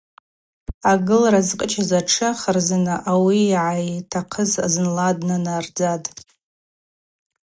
Агылра зкъычӏыз атшы харзына ауи йъайтахъыз зынла днанардзатӏ.